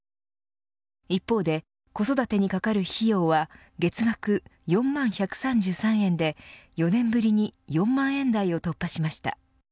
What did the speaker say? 一方で子育てにかかる費用は月額４万１３３円で４年ぶりに４万円台を突破しました。